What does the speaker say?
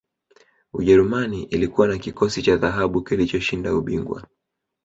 ujerumani ilikuwa na kikosi cha dhahabu kilichoshinda ubingwa